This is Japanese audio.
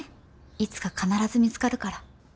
いつか必ず見つかるから。